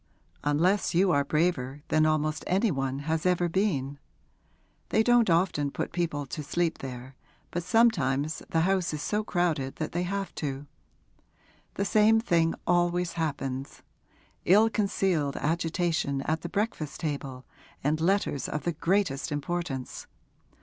'Unless you are braver than almost any one has ever been. They don't often put people to sleep there, but sometimes the house is so crowded that they have to. The same thing always happens ill concealed agitation at the breakfast table and letters of the greatest importance.